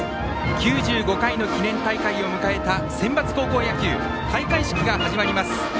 ９５回の記念大会を迎えたセンバツ高校野球開会式が始まります。